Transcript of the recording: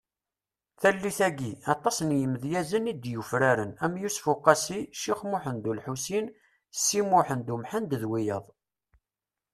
Tallit-agi, aṭas n yimedyazen i d-yufraren am Yusef Uqasi , Cix Muhend Ulḥusin Si Muḥend Umḥend d wiyaḍ .